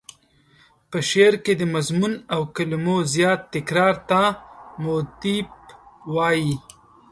په شعر کې د مضمون او کلمو زیات تکرار ته موتیف وايي.